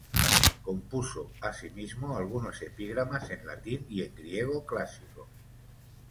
Compuso asimismo algunos epigramas en latín y en griego clásico.